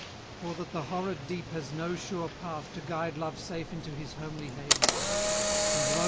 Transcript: For that the horrid deep has no sure path To guide Love safe into his homely haven. And lo!